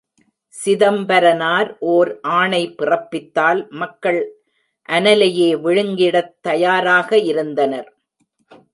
சிதம்பரனார் ஓர் ஆணை பிறப்பித்தால், மக்கள் அனலையே விழுங்கிடத் தயாராக இருந்தனர்!